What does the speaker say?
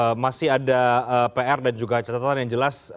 tapi masih ada pr dan juga catatan yang jelas